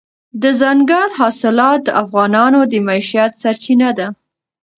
دځنګل حاصلات د افغانانو د معیشت سرچینه ده.